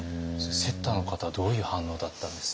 セッターの方はどういう反応だったんですか？